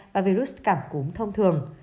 và virus cảm cúm thông thường